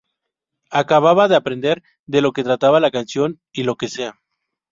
Acababa de aprender de lo que trataba la canción y lo que sea.